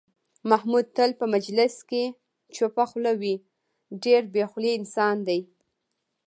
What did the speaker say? محمود تل په مجلس کې چوپه خوله وي، ډېر بې خولې انسان دی.